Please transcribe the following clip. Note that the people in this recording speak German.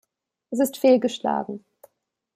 Es ist fehlgeschlagen.